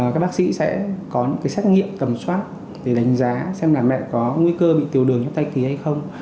các bác sĩ sẽ có những cái xét nghiệm cầm soát để đánh giá xem là mẹ có nguy cơ bị tiêu đường trong thai kỳ hay không